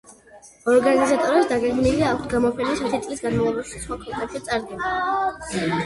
ორგანიზატორებს დაგეგმილი აქვთ გამოფენის ათი წლის განმავლობაში სხვა ქვეყნებშიც წარდგენა.